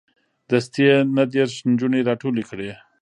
دستې یې نه دېرش نجونې راټولې کړې.